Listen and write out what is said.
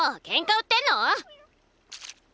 けんか売ってんの？